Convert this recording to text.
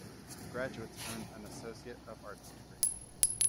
Graduates earn an Associate of Arts degree.